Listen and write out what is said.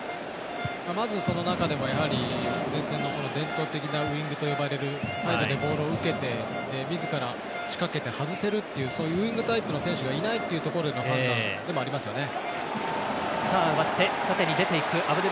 まずその中でもやはり前線の伝統的なウイングと呼ばれるサイドでボールを受けてみずから仕掛けて外せるっていうウイングタイプの選手がいないというところの判断でもありますよね。